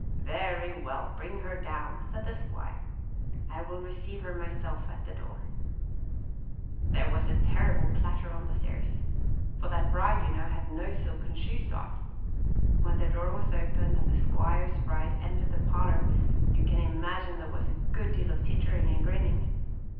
"Very well, bring her down!" said the squire. "I will receive her myself at the door." 38 THE TREASURE CHEST There was a terrible clatter on the stairs; for that bride, you know, had no silken shoes on. When the door was opened and the squire's bride entered the parlor you can imagine there was a good deal of tittering and grinning.